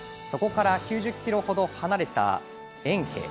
そこから９０ｋｍほど離れた延慶